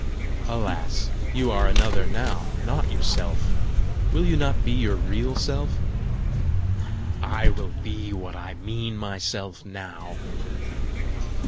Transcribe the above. "Alas, you are another now, not yourself! Will you not be your real self?" "I will be what I mean myself now."